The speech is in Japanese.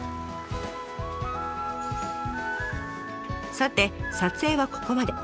さて撮影はここまで。